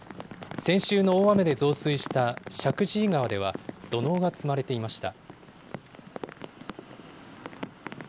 先週の大雨で増水した石神井川では、土のうが積まれていました。